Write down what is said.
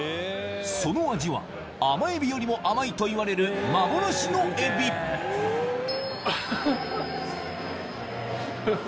その味は甘エビよりも甘いといわれる幻のエビん！